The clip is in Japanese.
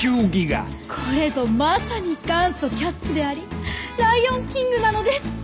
これぞまさに元祖『キャッツ』であり『ライオンキング』なのです！